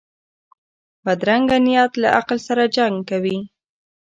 بدرنګه نیت له عقل سره جنګ کوي